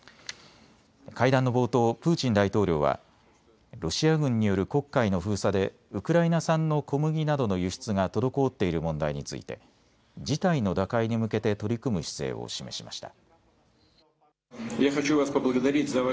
会談の冒頭、プーチン大統領はロシア軍による黒海の封鎖でウクライナ産の小麦などの輸出が滞っている問題について事態の打開に向けて取り組む姿勢を示しました。